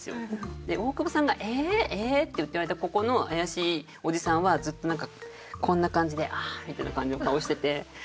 で大久保さんが「え？え？」って言ってる間ここの怪しいおじさんはずっとなんかこんな感じで「ああ」みたいな感じの顔してて。